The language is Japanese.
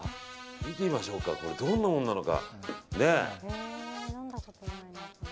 見てみましょうどんなものなのか。